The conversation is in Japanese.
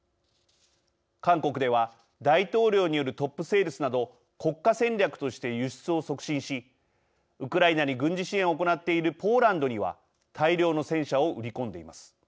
韓国では大統領によるトップセールスなど国家戦略として輸出を促進しウクライナに軍事支援を行っているポーランドには大量の戦車を売り込んでいます。